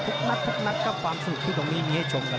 ทุกนัดทุกนัดครับความสนุกที่ตรงนี้มีให้ชมกัน